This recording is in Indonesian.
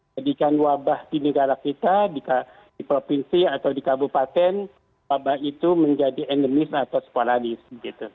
jadikan wabah di negara kita di provinsi atau di kabupaten wabah itu menjadi endemis atau sporadis